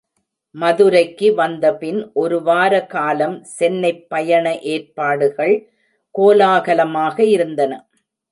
மதுரைக்கு வந்தபின் ஒருவார காலம் சென்னைப் பயண ஏற்பாடுகள் கோலாகலமாக இருந்தன.